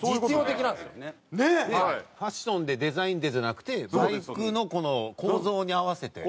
ファッションでデザインでじゃなくてバイクのこの構造に合わせて。